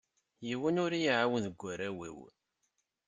Yiwen ur i yi-ɛawen deg waraw-iw.